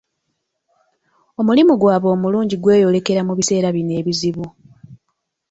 Omulimu gwabwe omulungi gweyolekera mu biseera bino ebizibu.